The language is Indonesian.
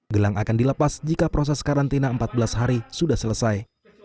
gelang akan dilepas jika proses karantina empat belas hari sudah selesai